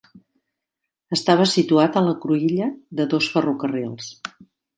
Estava situat a la cruïlla de dos ferrocarrils.